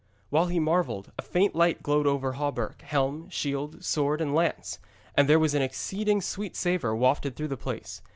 While he marvelled, a faint light glowed over hauberk, helm, shield, sword and lance, and there was an exceeding sweet savour wafted through the place.